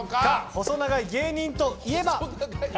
細長い芸人といえば？